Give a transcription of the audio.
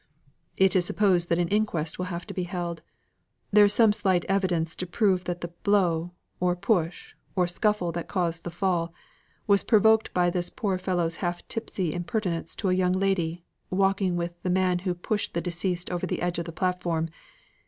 "It is supposed that an inquest will have to be held; there is some slight evidence to prove that the blow, or push, or scuffle that caused the fall, was provoked by this poor fellow's half tipsy impertinence to a young lady, walking with the man who pushed the deceased over the edge of the platform.